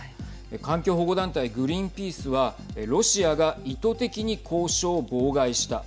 環境保護団体グリーンピースはロシアが意図的に交渉を妨害した。